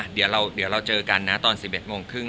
ดีล่าเราเจอกันน้าตอน๑๑ตะโมงครึ่ง